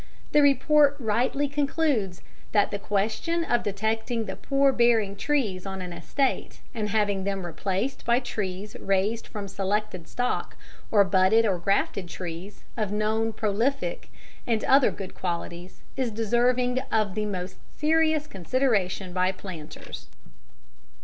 The report rightly concludes that: "The question of detecting the poor bearing trees on an estate and having them replaced by trees raised from selected stock, or budded or grafted trees, of known prolific and other good qualities is deserving of the most serious consideration by planters."